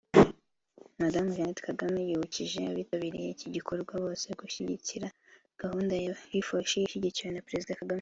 Madamu Jeannette Kagame yibukije abitabiriye iki gikorwa bose gushyigikira gahunda ya HeForShe ishyigikiwe na Perezida Kagame